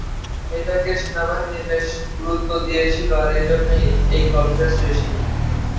এটাকে সেনাবাহিনী বেশ গুরুত্ব দিয়েছিল আর এজন্যই এই গল্পের সৃষ্টি।